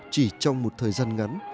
chỉ trong một thời gian ngắn